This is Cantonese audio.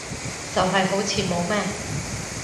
就係好似冇咩